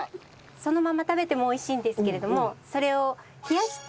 そのまま食べても美味しいんですけれどもそれを冷やして。